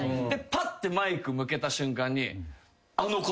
パッてマイク向けた瞬間に。